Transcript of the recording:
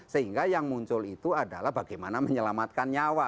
sehingga yang muncul itu adalah bagaimana menyelamatkan nyawa